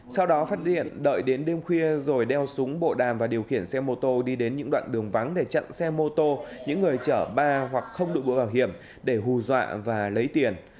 sau đó phát hiện đợi đến đêm khuya rồi đeo súng bộ đàm và điều khiển xe mô tô đi đến những đoạn đường vắng để chặn xe mô tô những người chở ba hoặc không đội mũ bảo hiểm để hù dọa và lấy tiền